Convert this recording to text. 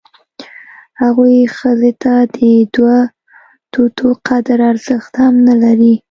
هغوی ښځې ته د دوه توتو قدر ارزښت هم نه لري.